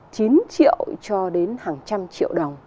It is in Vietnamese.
chín triệu cho đến hàng trăm triệu đồng